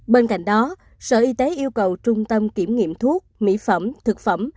bên cạnh đó sở y tế yêu cầu trung tâm kiểm nghiệm thuốc mỹ phẩm thực phẩm